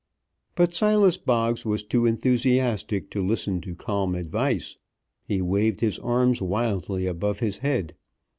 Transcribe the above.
But Silas Boggs was too enthusiastic to listen to calm advice. He waved his arms wildly above his head.